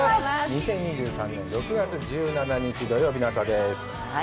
２０２３年６月１７日、土曜日の朝です。